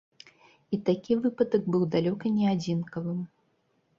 І такі выпадак быў далёка не адзінкавым.